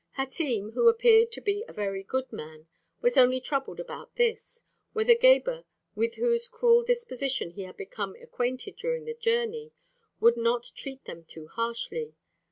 Hatim, who appeared to be a very good man, was only troubled about this: whether Gebhr, with whose cruel disposition he had become acquainted during the journey, would not treat them too harshly.